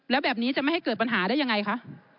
แล้วแบบนี้จะไม่ให้เกิดปัญหาได้ยังไงคะ